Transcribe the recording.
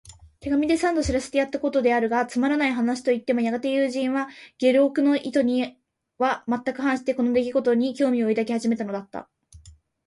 手紙で三度知らせてやったことであるが、つまらない話といってもやがて友人は、ゲオルクの意図にはまったく反して、この出来ごとに興味を抱き始めたのだった。